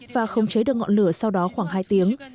và không chế được ngọn lửa sau đó khoảng hai tiếng